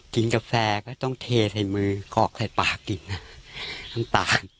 กินกาแฟก็ต้องเทในมือกรอกใส่ปากกินนะต่าง